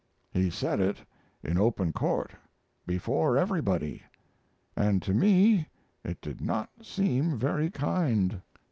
He said it in open court, before everybody, and to me it did not seem very kind.